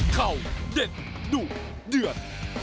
เข่าเด็ดดุเดือด